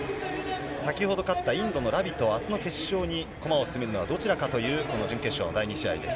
先ほど勝ったインドのラビとあすの決勝に、駒を進めるのはどちらかというこの準決勝第２試合です。